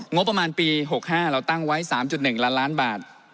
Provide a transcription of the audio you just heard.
งบประมาณปี๖๕เราตั้งไว้๓๑ล้านล้านบาท